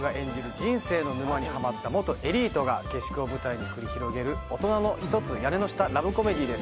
人生の沼にハマった元エリートが下宿を舞台に繰り広げるオトナの一つ屋根の下ラブコメディーです」